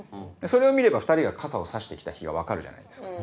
それを見れば２人が傘を差して来た日が分かるじゃないですか。